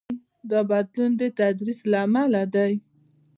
دا بدلون د تدریس له امله دی.